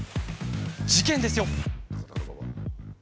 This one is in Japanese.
事件ですよ。